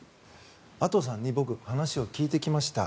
阿刀さんに僕、話を聞いてきました。